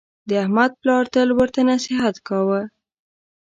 د احمد پلار تل ورته نصحت کاوه: